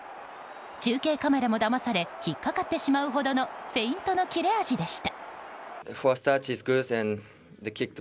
中継カメラもだまされひっかかってしまうほどのフェイントの切れ味でした。